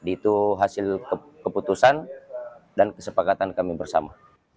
itu hasil keputusan dan kesepakatan kami bersama